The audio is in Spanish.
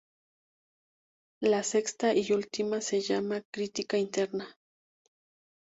La sexta y última se llama "crítica interna".